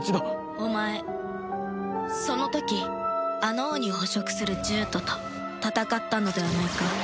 お前その時アノーニを捕食する獣人と戦ったのではないか？